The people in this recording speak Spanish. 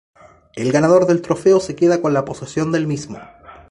El ganador del trofeo se queda con la posesión del mismo.